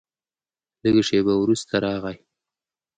لږ شېبه وروسته راغی.